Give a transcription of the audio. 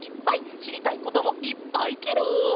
しりたいこともいっぱいケロ！